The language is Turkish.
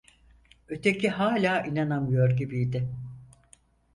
Öteki hala inanamıyor gibiydi.